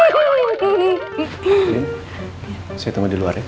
nenek saya tunggu di luar ya